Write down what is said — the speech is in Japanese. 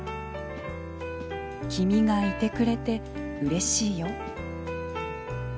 「きみがいてくれてうれしいよ」